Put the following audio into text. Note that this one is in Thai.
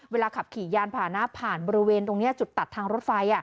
เวลาขับขี่ยานผ่านหน้าผ่านบริเวณตรงนี้จุดตัดทางรถไฟ